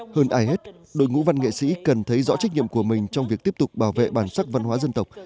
hơn ai hết đội ngũ văn nghệ sĩ cần thấy rõ trách nhiệm của mình trong việc tiếp tục bảo vệ bản sắc văn hóa dân tộc